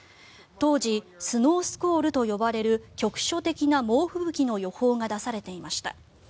当時、スノースコールと呼ばれる局所的な猛吹雪の予報が出されていました。